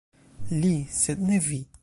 Li, sed ne vi!